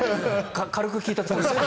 軽く聞いたつもりでした。